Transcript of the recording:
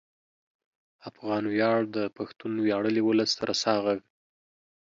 افغان ویاړ د پښتون ویاړلي ولس رسا غږ